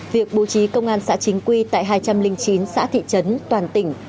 việc bố trí công an xã chính quy tại hai trăm linh chín xã thị trấn toàn tỉnh